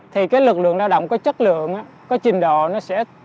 thì cái lực lượng lao động có chất lượng có trình độ nó sẽ